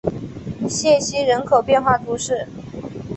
谢西人口变化图示